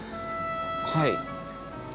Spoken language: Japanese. はい。